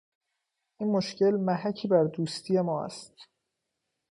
این مشکل محکی بر دوستی ما است.